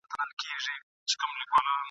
هسي نه چي دي د ژوند وروستی سفر سي ..